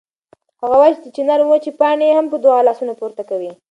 هغه وایي چې د چنار وچې پاڼې هم په دعا لاسونه پورته کوي.